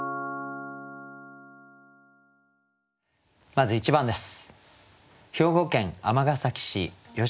まず１番です。